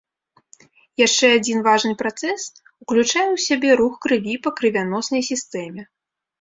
Яшчэ адзін важны працэс уключае ў сябе рух крыві па крывяноснай сістэме.